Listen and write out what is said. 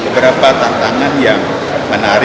beberapa tantangan yang menarik